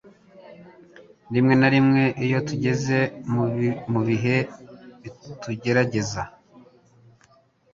Rimwe na rimwe iyo tugeze mu bihe bitugerageza